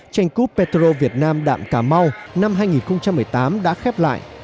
tranh cúp petro việt nam đạm cà mau năm hai nghìn một mươi tám đã khép lại